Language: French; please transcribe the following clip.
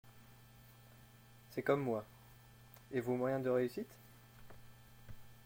C’est comme moi ; et vos moyens de réussite ?